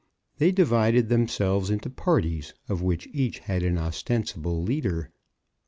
They divided themselves into parties, of which each had an ostensible leader.